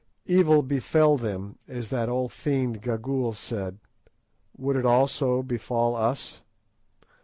Evil befell them, as that old fiend Gagool said; would it also befall us?